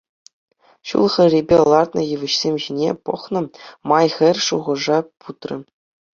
Ҫул хӗррипе лартнӑ йывӑҫсем ҫине пӑхнӑ май хӗр шухӑша путрӗ.